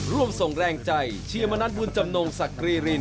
ร่วมส่งแรงใจเชียร์มณัฐบุญจำนงศักรีริน